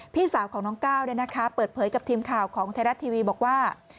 พี่สาวของน้องก้าวเปิดเผยกับทีมข่าวของไทยรัฐทีวีบอกว่า